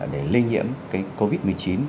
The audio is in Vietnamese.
để lây nhiễm covid một mươi chín